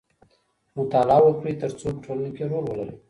مطالعه وکړئ ترڅو په ټولنه کي رول ولرئ.